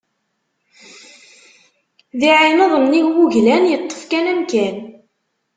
D iɛineḍ nnig n wuglan yeṭṭef kan amkan.